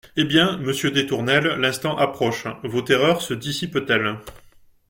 Eh bien ! monsieur des Tournelles, l’instant approche ; vos terreurs se dissipent-elles ?